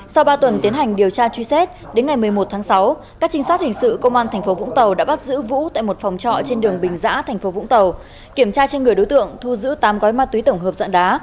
sau ba tuần tiến hành điều tra truy xét đến ngày một mươi một tháng sáu các trinh sát hình sự công an tp vũng tàu đã bắt giữ vũ tại một phòng trọ trên đường bình giã tp vũng tàu kiểm tra trên người đối tượng thu giữ tám gói ma túy tổng hợp dạng đá